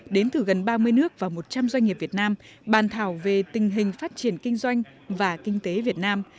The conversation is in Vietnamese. đến từ gần ba mươi nước và một trăm linh doanh nghiệp việt nam bàn thảo về tình hình phát triển kinh doanh và kinh tế việt nam